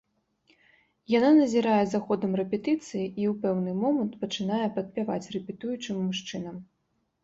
Яна назірае за ходам рэпетыцыі, і ў пэўны момант пачынае падпяваць рэпетуючым мужчынам.